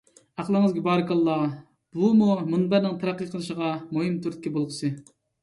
ئەقلىڭىزگە بارىكاللا! بۇمۇ مۇنبەرنىڭ تەرەققىي قىلىشىغا مۇھىم تۈرتكە بولغۇسى.